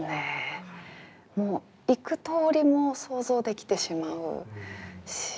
もう幾とおりも想像できてしまうし